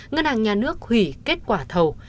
ngân hàng nhà nước hủy kết quả thầu